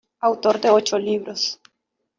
Autor de ocho libros.